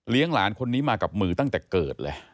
หลานคนนี้มากับมือตั้งแต่เกิดเลย